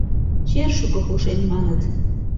Чер шуко пошен, маныт.